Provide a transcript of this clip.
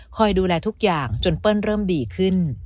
ดูแลทุกอย่างจนเปิ้ลเริ่มดีขึ้น